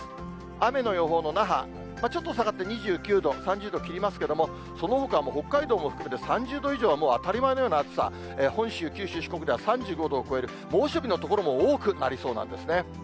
雨の予報の那覇、ちょっと下がって２９度、３０度を切りますけれども、そのほか北海道も含めて３０度以上はもう当たり前のような暑さ、本州、九州、四国では３５度を超える猛暑日の所も多くなりそうなんですね。